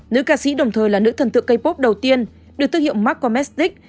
nữ ca sĩ đồng thời là nữ thần tượng kpop đầu tiên được thương hiệu mark komestik